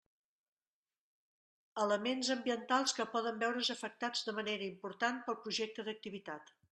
Elements ambientals que poden veure's afectats de manera important pel projecte d'activitat.